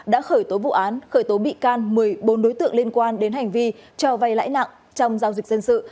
đã khởi tố vụ án khởi tố bị can một mươi bốn đối tượng liên quan đến hành vi cho vay lãi nặng trong giao dịch dân sự